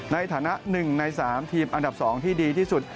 ในฐานะ๑ใน๓ทีมอันดับ๒ที่ดีที่สุด